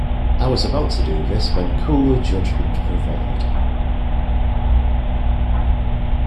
I was about to do this when cooler judgment prevailed.